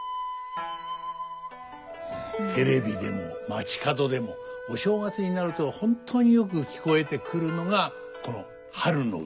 テレビでも街角でもお正月になると本当によく聞こえてくるのがこの「春の海」。